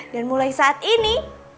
dan mulai saat ini